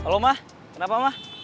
halo mah kenapa mah